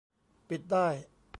ปิดได้